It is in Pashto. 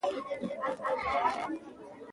ډیموکراټیک وسایل شپږ دي.